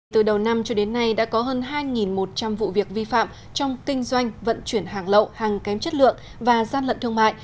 từ đầu năm cho đến nay đã có hơn hai một trăm linh vụ việc vi phạm trong kinh doanh vận chuyển hàng lậu hàng kém chất lượng và gian lận thương mại